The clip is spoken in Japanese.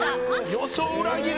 予想裏切る。